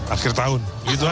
akhir tahun gitu aja